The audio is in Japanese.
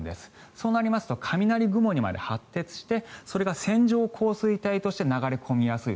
そうなりますと雷雲にまで発達してそれが線状降水帯として流れ込みやすい。